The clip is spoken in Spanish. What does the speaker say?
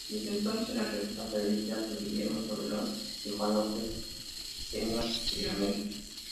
Desde entonces, la revista fue dirigida por Guillermo Soberón y Juan López Seña posteriormente.